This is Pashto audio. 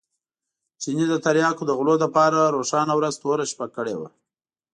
چیني د تریاکو د غلو لپاره روښانه ورځ توره شپه کړې وه.